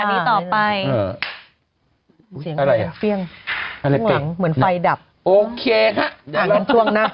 สถานีต่อไปเอ่อเสียงกลายเปลี่ยงเหมือนไฟดับโอเคค่ะจุงหน้า